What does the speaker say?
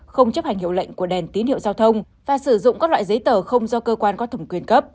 không chấp hành hiệu lệnh của đèn tín hiệu giao thông và sử dụng các loại giấy tờ không do cơ quan có thẩm quyền cấp